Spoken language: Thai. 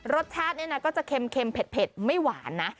รสชาตินี่นะก็จะเค็มเผ็ดไม่หวานนะ